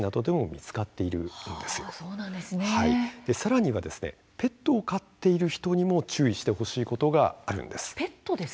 さらにはペットを飼っている人にも注意してほしいことがあるんです。